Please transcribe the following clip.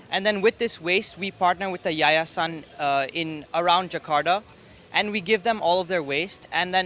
dan dengan permasalahan ini kami berpartner dengan yayasan di sekitar jakarta dan kami memberikan semua permasalahan mereka